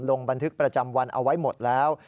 ลงบันทึกประจำวันเอาไว้หมดแล้ว